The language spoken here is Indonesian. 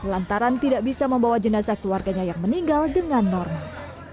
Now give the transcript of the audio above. lantaran tidak bisa membawa jenazah keluarganya yang meninggal dengan normal